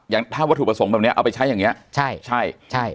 อย่างถ้าวัตถุประสงค์แบบเนี้ยเอาไปใช้อย่างเงี้ยใช่ใช่ใช่